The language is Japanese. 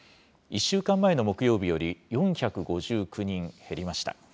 １週間前の木曜日より４５９人減りました。